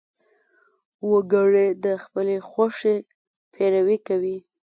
وګړي د خپلې خوښې پیروي کوي.